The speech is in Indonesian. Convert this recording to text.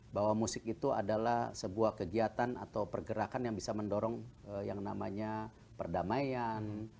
bahwa musik itu adalah sebuah kegiatan atau pergerakan yang bisa mendorong yang namanya perdamaian